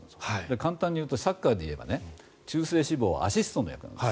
簡単に言うとサッカーで言えば中性脂肪はアシストの役なんです。